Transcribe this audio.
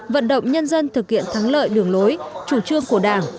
vận động nhân dân thực hiện thắng lợi đường lối chủ trương của đảng